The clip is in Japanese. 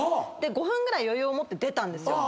５分ぐらい余裕を持って出たんですよ。